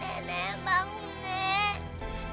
nenek bangun nenek